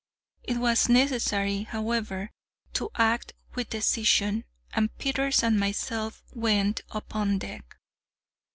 It was necessary, however, to act with decision, and Peters and myself went upon deck.